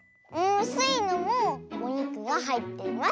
スイのもおにくがはいってます！